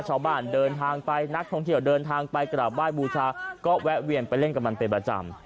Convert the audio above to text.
ชาวบ้านเดินทางไปนักท่องเที่ยวเดินทางไปกราบไหว้บูชาก็แวะเวียนไปเล่นกับมันเป็นประจำ